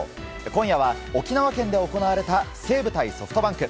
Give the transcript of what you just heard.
今夜は沖縄県で行われた西武対ソフトバンク。